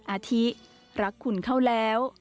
อาทิรักคุณเข้าแล้ว